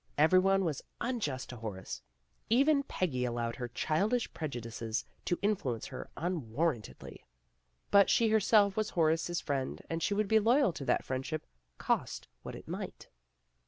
Every one was unjust to Horace. Even Peggy allowed her childish prejudices to influence her unwarrantedly. But she herself was Horace's friend and she would be loyal to that friend ship, cost what it might.